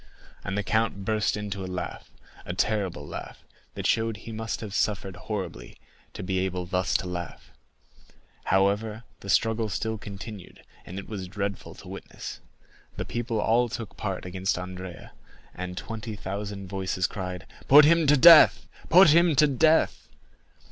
And the count burst into a laugh; a terrible laugh, that showed he must have suffered horribly to be able thus to laugh. However, the struggle still continued, and it was dreadful to witness. The two assistants carried Andrea up to the scaffold; the people all took part against Andrea, and twenty thousand voices cried, "Put him to death! put him to death!"